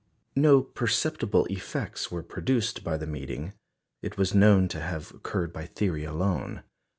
No perceptible effects were produced by the meeting; it was known to have occurred by theory alone.